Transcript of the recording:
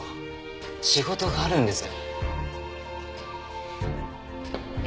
仕事があるんです。